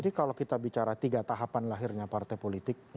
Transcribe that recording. kalau kita bicara tiga tahapan lahirnya partai politik